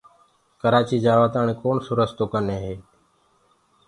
ڪرآچي جآوآ تآڻي ڪوڻسو رستو ڪني هي۔